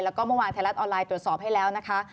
แล้วก็เมื่อวานไทยรัฐออนไลน์ตรวจสอบให้แล้วนะคะ